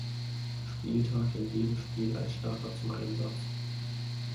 Spieltag in jedem Spiel als Starter zum Einsatz.